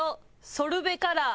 「ソルベカラー」？